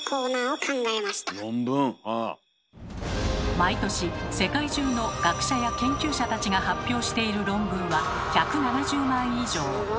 毎年世界中の学者や研究者たちが発表している論文は１７０万以上。